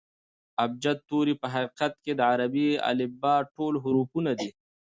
ابجد توري په حقیقت کښي د عربي الفبې ټول حرفونه دي.